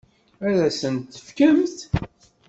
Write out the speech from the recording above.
Ad asen-t-tefkemt?